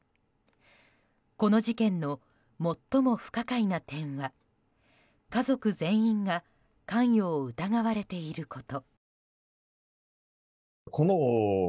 この事件の最も不可解な点は家族全員が関与を疑われていること。